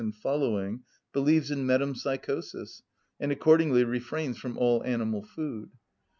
_, believes in metempsychosis, and accordingly refrains from all animal food.